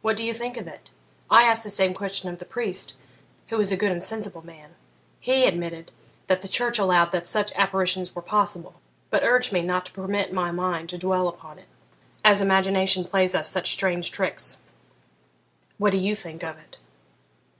What do you think of it? I asked the same question of the priest, who is a good and sensible man; he admitted that the church allowed that such apparitions were possible, but urged me not to permit my mind to dwell upon it, as imagination plays us such strange tricks. What do you think of it?'